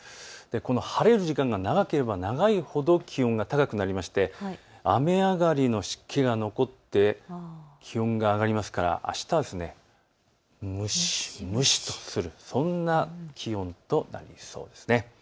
この晴れる時間が長ければ長いほど気温が高くなりまして雨上がりの湿気が残って気温が上がりますからあすは蒸し蒸しとするそんな気温となりそうです。